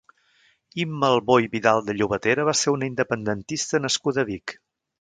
Imma Albó i Vidal de Llobatera va ser una independentista nascuda a Vic.